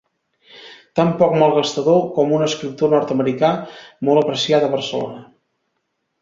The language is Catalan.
Tan poc malgastador com un escriptor nord-americà molt apreciat a Barcelona.